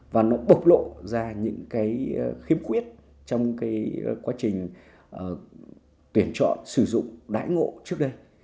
và nó bộc lộ ra những cái khiếm khuyết trong cái quá trình tuyển chọn sử dụng đãi ngộ trước đây